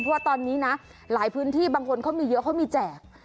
เพราะว่าตอนนี้นะหลายพื้นที่บางคนเขามีเยอะเขามีแจก